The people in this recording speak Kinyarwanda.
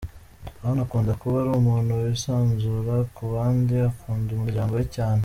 Anne akunda kuba ari umuntu wisanzura ku bandi ,akunda umuryango we cyane.